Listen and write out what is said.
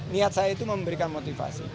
niat saya itu memberikan motivasi